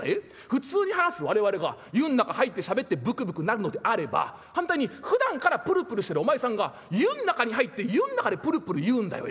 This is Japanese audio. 普通に話す我々が湯ん中入ってしゃべってブクブクなるのであれば反対にふだんからプルプルしてるお前さんが湯ん中に入って湯ん中でプルプル言うんだよ。